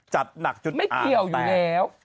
จัดหนักจุดอ่างแปลก